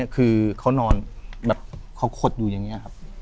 คือเขานอนแบบเขาขดอยู่อย่างนี้ครับ